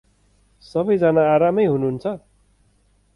सबैजना आरामै हुनुहुन्छ?